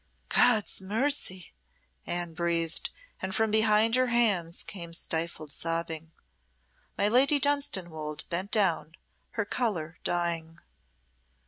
"God's mercy!" Anne breathed, and from behind her hands came stifled sobbing. My Lady Dunstanwolde bent down, her colour dying.